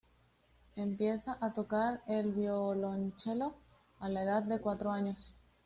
Empieza a tocar el violonchelo a la edad de cuatro años.